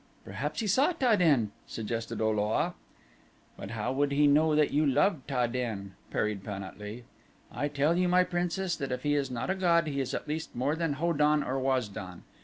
"Perhaps he saw Ta den," suggested O lo a. "But how would he know that you loved Ta den," parried Pan at lee. "I tell you, my Princess, that if he is not a god he is at least more than Ho don or Waz don.